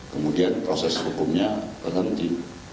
kemudian proses hukumnya berhenti